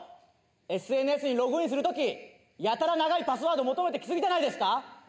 ＳＮＳにログインする時やたら長いパスワード求めてきすぎじゃないですか？